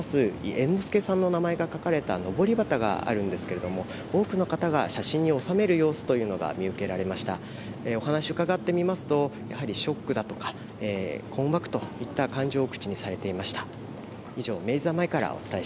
猿之助さんの名前が書かれたのぼり旗があるんですけれども多くの方が写真に収める様子というのが見受けられましたるお話を伺ってみますと、やはりショックだとか、困惑といった感情を口にされていました。